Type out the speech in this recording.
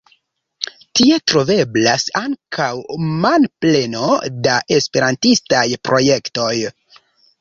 Tie troveblas ankaŭ manpleno da esperantistaj projektoj.